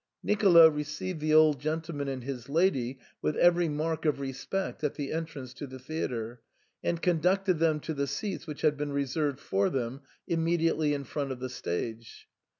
Nicolo received the old gentleman and his lady with every mark of respect at the entrance to the theatre, and conducted them to the seats which had been reserved for them, immediately in front of the stage.